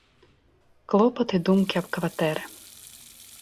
Клопат і думкі аб кватэры.